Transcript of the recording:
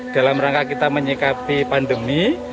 dalam rangka kita menyikapi pandemi